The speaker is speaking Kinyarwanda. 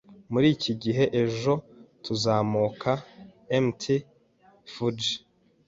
Muri iki gihe ejo, tuzamuka Mt. Fuji